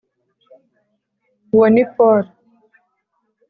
uwo ni paul!